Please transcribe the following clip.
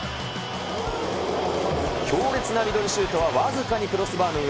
強烈なミドルシュートは僅かにクロスバーの上。